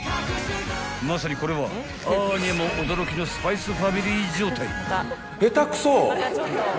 ［まさにこれはアーニャも驚きのスパイスファミリー状態］